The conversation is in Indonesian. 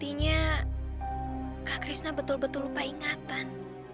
akhirnya kak krishna betul betul lupa ingatan